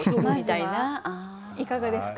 いかがですか？